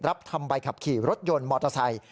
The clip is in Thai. ทำใบขับขี่รถยนต์มอเตอร์ไซค์